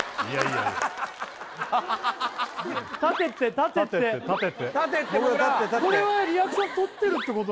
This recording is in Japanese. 立てって立てってこれはリアクションとってるってこと？